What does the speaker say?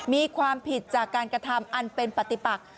มีความผิดจากการกระทำอันเป็นปฏิปัก